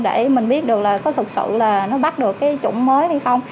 để mình biết được là có thực sự bắt được chủng mới hay không